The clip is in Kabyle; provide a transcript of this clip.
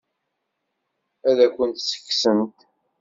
Ad akent-tt-kksent?